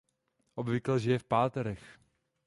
Obvykle žije v párech.